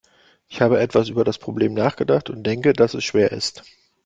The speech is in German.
Ich habe etwas über das Problem nachgedacht und denke, dass es schwer ist.